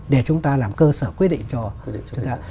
để chúng ta làm cơ sở quyết định cho chúng ta